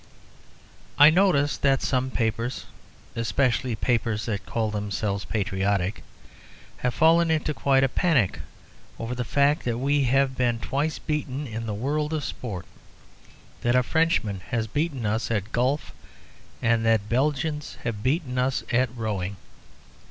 I notice that some papers, especially papers that call themselves patriotic, have fallen into quite a panic over the fact that we have been twice beaten in the world of sport, that a Frenchman has beaten us at golf, and that Belgians have beaten us at rowing.